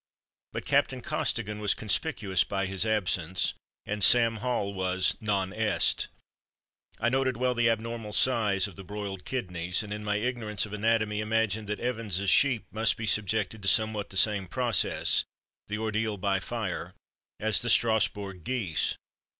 But Captain Costigan was conspicuous by his absence; and "Sam Hall" was non est. I noted well the abnormal size of the broiled kidneys, and in my ignorance of anatomy, imagined that Evans's sheep must be subjected to somewhat the same process the "ordeal by fire" as the Strasbourg geese.